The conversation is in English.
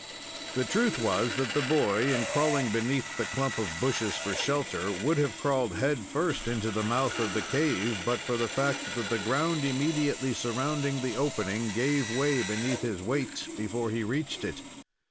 The truth was that the boy, in crawling beneath the clump of bushes for shelter, would have crawled head first into the mouth of the cave, but for the fact that the ground immediately surrounding the opening gave way beneath his weight before he reached it.